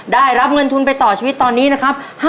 ได้รับเงินทุนไปต่อชีวิตตอนนี้นะครับ